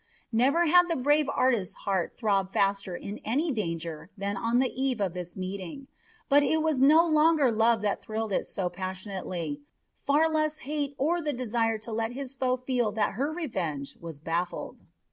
Never had the brave artist's heart throbbed faster in any danger than on the eve of this meeting; but it was no longer love that thrilled it so passionately, far less hate or the desire to let his foe feel that her revenge was baffled.